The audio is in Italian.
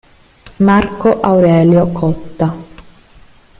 Marco Aurelio Cotta